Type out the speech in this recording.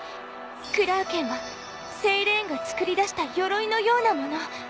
クラーケンはセイレーンがつくりだしたよろいのようなもの。